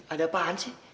ada apaan sih